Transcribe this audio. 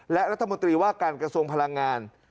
และรัฐมนตรีว่าการกระทรวงพลังงาน